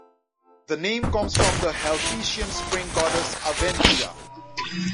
The name comes from the Helvetian spring goddess Aventia.